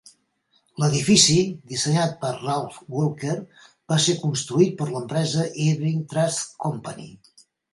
L'edifici, dissenyat per Ralph Walker, va ser construït per l'empresa Irving Trust Company.